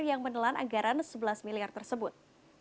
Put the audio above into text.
yang menelan anggaran sebelas miliar tersebut